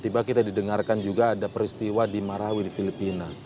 tiba kita didengarkan juga ada peristiwa di marawi di filipina